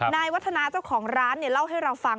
นายวัฒนาเจ้าของร้านเล่าให้เราฟัง